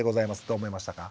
どう思いましたか？